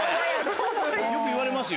よく言われますよ。